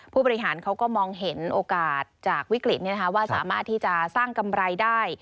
ผู้บริหารเขาก็มองเห็นโอกาสจากวิกฤตว่าสามารถที่จะสร้างกำไรได้